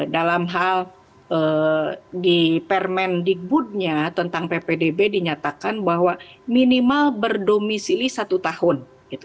dalam hal di permendikbudnya tentang ppdb dinyatakan bahwa minimal berdomisili satu tahun